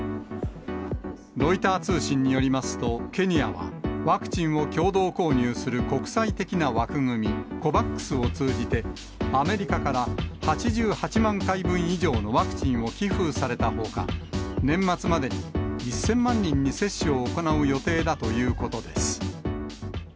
ロイター通信によりますと、ケニアは、ワクチンを共同購入する国際的な枠組み、ＣＯＶＡＸを通じて、アメリカから８８万回分以上のワクチンを寄付されたほか、年末までに１０００万人に接種を行う予定だということです。